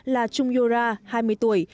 là chung yo ra hai mươi tuổi